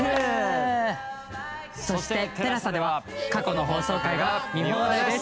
そしてＴＥＬＡＳＡでは過去の放送回が見放題です！